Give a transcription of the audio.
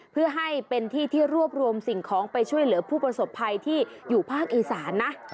เพื่อให้เป็นที่ที่รวบรวมสิ่งของไปช่วยเหลือผู้ประสบภัยที่อยู่ภาคอีสานนะ